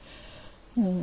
うん。